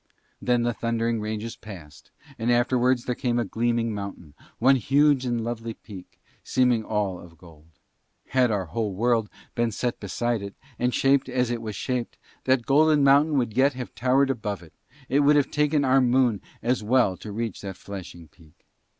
Then the thundering ranges passed; and afterwards there came a gleaming mountain, one huge and lonely peak, seemingly all of gold. Had our whole world been set beside it and shaped as it was shaped, that golden mountain would yet have towered above it: it would have taken our moon as well to reach that flashing peak.